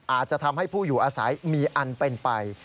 อาจจะทำให้ผู้อยู่อาศัยมีอันเป็นไป